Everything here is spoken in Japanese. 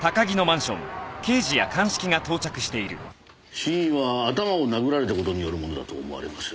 死因は頭を殴られた事によるものだと思われます。